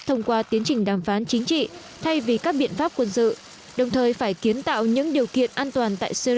thông qua tiến trình đàm phán chính trị thay vì các biện pháp quân sự đồng thời phải kiến tạo những điều kiện an toàn tại syri